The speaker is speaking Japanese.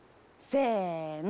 せの。